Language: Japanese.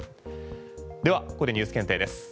ではここでＮＥＷＳ検定です。